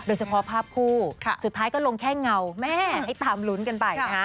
โดยเฉพาะภาพคู่สุดท้ายก็ลงแค่เงาแม่ให้ตามลุ้นกันไปนะฮะ